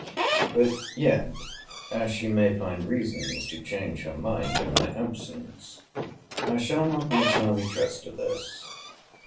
But yet, as she may find reasons to change her mind in my absence, I shall not entirely trust to this.